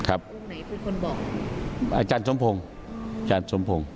อาจารย์สมพงศ์